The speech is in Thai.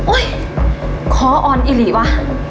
โอ้ยคอออนอิหรี่วะ